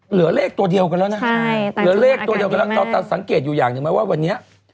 เหลือเลขตัวเดียวกันแล้วนะสังเกตอยู่อย่างนึงไหมว่าวันนี้